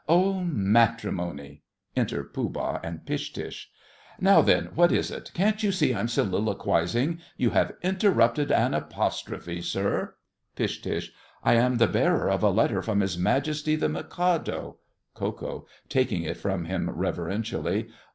Oh, matrimony!— (Enter Pooh Bah and Pish Tush.) Now then, what is it? Can't you see I'm soliloquizing? You have interrupted an apostrophe, sir! PISH. I am the bearer of a letter from his Majesty the Mikado. KO. (taking it from him reverentially).